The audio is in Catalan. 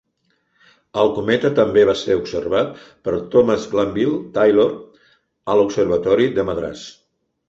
El cometa també va ser observat per Thomas Glanville Taylor a l'Observatori de Madras.